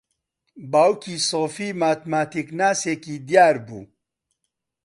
باوکی سۆفی ماتماتیکناسێکی دیار بوو.